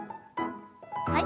はい。